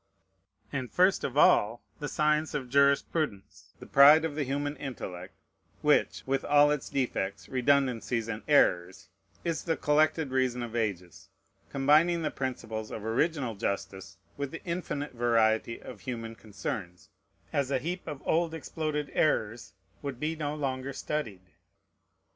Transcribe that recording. And first of all, the science of jurisprudence, the pride of the human intellect, which, with all its defects, redundancies, and errors, is the collected reason of ages, combining the principles of original justice with the infinite variety of human concerns, as a heap of old exploded errors, would be no longer studied.